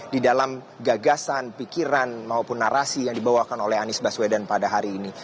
di dalam gagasan pikiran maupun narasi yang dibawakan oleh anies baswedan pada hari ini